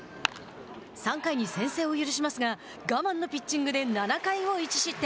３回に先制を許しますが我慢のピッチングで７回を１失点。